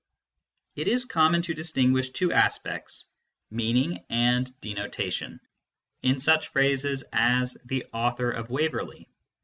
It is common to distinguish two aspects, meaning ahd 224 MYSTICISM AND LOGIC denotation, in such phrases as " the author of Waverley."